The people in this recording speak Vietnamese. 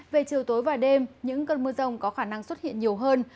về chiều tối và đêm những cơn mưa rông có khả năng xuất hiện nhiều hơn